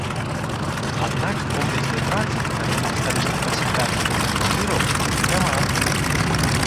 Аднак комплекснай працы наконт гістарычных фальсіфікацый вакол батыраў пакуль няма.